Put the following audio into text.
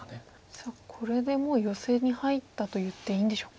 さあこれでもうヨセに入ったといっていいんでしょうか。